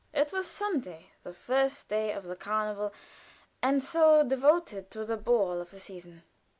It was Sunday, the first day of the carnival, and that devoted to the ball of the season.